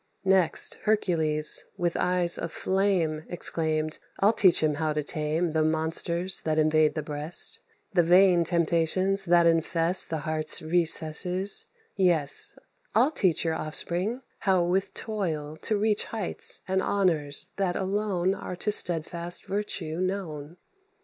Next Hercules, with eyes of flame, Exclaimed, "I'll teach him how to tame The monsters that invade the breast, The vain temptations that infest The heart's recesses; yes, I'll teach Your offspring how with toil to reach Heights and honours that alone Are to steadfast virtue known."